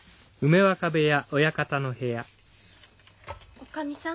おかみさん。